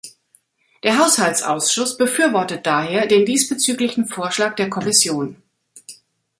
Der Haushaltsausschuss befürwortet daher den diesbezüglichen Vorschlag der Kommission.